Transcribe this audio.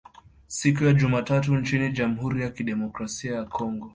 siku ya Jumatatu nchini Jamhuri ya Kidemokrasi ya Kongo